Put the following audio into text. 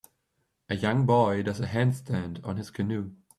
A young boy does a handstand on his canoe.